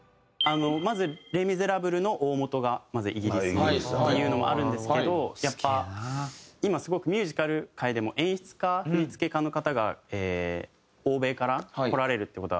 まず『レ・ミゼラブル』の大本がイギリスっていうのもあるんですけどやっぱ今すごくミュージカル界でも演出家振付家の方が欧米から来られるっていう事が結構あって。